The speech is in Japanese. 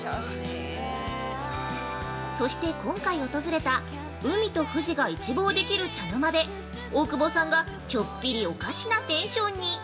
そして今回訪れた海と富士が一望できる茶の間で大久保さんがちょっぴりおかしなテンションに。